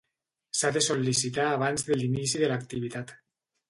S'ha de sol·licitar abans de l'inici de l'activitat.